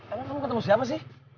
emang kamu ketemu siapa sih